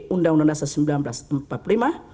undang undang dasar seribu sembilan ratus empat puluh lima